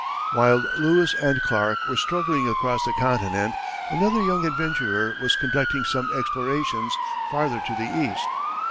While Lewis and Clark were struggling across the continent, another young adventurer was conducting some explorations farther to the east.